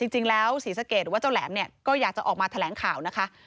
จริงแล้วศรีสะเกตว่าเจ้าแหลมเนี่ยก็อยากจะออกมาแถลงข่าวนะคะ